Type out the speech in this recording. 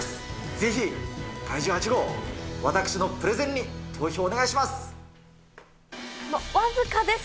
ぜひ、怪獣８号、私のプレゼンに投票お願いします。